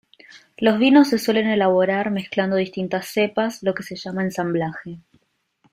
Los vinos se suelen elaborar mezclando distintas cepas, lo que se llama ensamblaje.